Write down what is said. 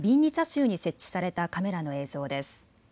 州に設置されたカメラの映像です。